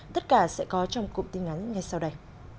tất cả sẽ có trong cụm tin ngắn ngay sau đây